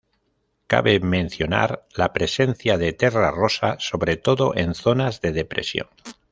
Cabe mencionar la presencia de "terra rosa", sobre todo en zonas de depresión.